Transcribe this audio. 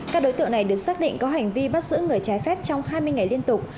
các đối tượng này được xác định có hành vi bắt giữ người trái phép trong hai mươi ngày liên tục